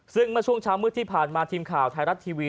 ซึ่งเมื่อช่วงเช้ามืดที่ผ่านมาทีมข่าวไทยรัฐทีวี